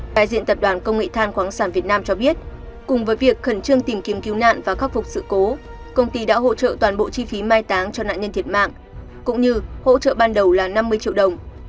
đại diện tập đoàn công nghệ than khoáng sản việt nam cho biết cùng với việc khẩn trương tìm kiếm cứu nạn và khắc phục sự cố công ty đã hỗ trợ toàn bộ chi phí mai táng cho nạn nhân thiệt mạng cũng như hỗ trợ ban đầu là năm mươi triệu đồng